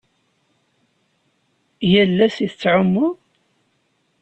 Yal ass i tettɛummuḍ?